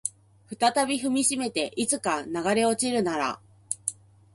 再び踏みしめていつか流れ落ちるなら